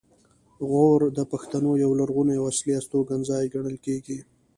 غور د پښتنو یو لرغونی او اصلي استوګنځی ګڼل کیږي